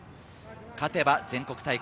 勝てば全国大会。